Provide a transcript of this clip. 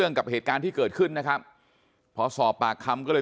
จังหวะนั้นได้ยินเสียงปืนรัวขึ้นหลายนัดเลย